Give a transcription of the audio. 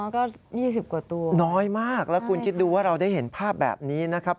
ก็๒๐กว่าตัวน้อยมากแล้วคุณคิดดูว่าเราได้เห็นภาพแบบนี้นะครับ